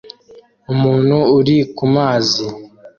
Umuntu uri kumazi